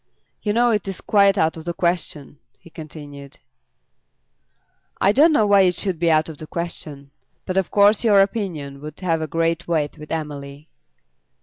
"You know it is quite out of the question," he continued. "I don't know why it should be out of the question. But of course your opinion would have great weight with Emily."